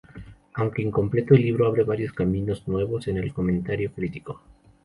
Aunque incompleto, el libro abre varios caminos nuevos en el comentario critico.